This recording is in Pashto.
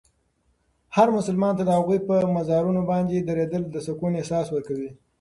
هر مسلمان ته د هغوی په مزارونو باندې درېدل د سکون احساس ورکوي.